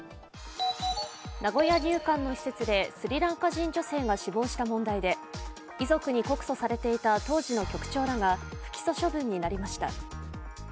名古屋入管の施設でスリランカ人女性が死亡した問題で遺族に告訴されていた当時の局長らが不起訴処分になりました。